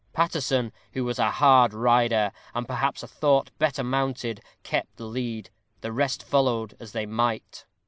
Paterson, who was a hard rider, and perhaps a thought better mounted, kept the lead. The rest followed as they might.